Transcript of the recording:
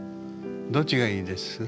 どっちがいいです？